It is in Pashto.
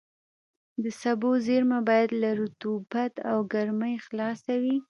د سبو زېرمه باید له رطوبت او ګرمۍ خلاصه وي.